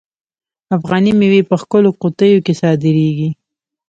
افغاني میوې په ښکلو قطیو کې صادریږي.